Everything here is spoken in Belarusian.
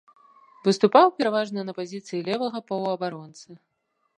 Выступаў пераважна на пазіцыі левага паўабаронцы.